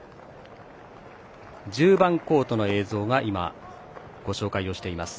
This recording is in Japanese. １０番コートの映像が今ご紹介をしています。